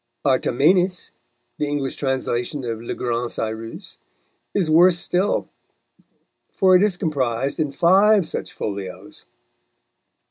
Artamenes, the English translation of Le Grand Cyrus, is worse still, for it is comprised in five such folios.